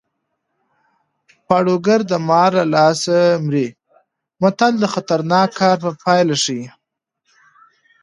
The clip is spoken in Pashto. پاړوګر د مار له لاسه مري متل د خطرناک کار پایله ښيي